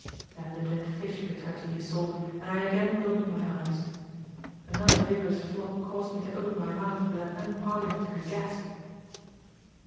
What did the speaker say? Then the dead fish returned to the assault and I again opened my eyes. Another vigorous flop caused me to open my mouth with an unparliamentary gasp.